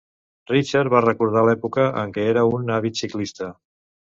Richard va recordar l'època en què era un avid ciclista.